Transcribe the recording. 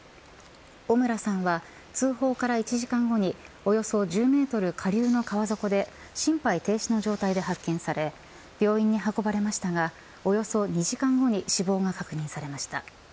尾村さんは通報から１時間後におよそ１０メートル下流の川底で心肺停止の状態で発見され病院に運ばれましたがおよそ２時間後に死亡が確認されました。